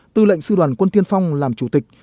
tư lệnh sư đoàn quân tiên phong làm chủ tịch